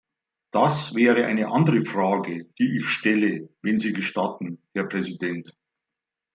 Das wäre eine andere Frage, die ich stelle, wenn Sie gestatten, Herr Präsident.